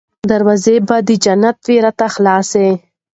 دروازه به د جنت وي راته خلاصه